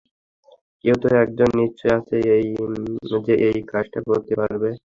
কেউ তো একজন নিশ্চয় আছে, যে এই কাজ টা করতে পারবে!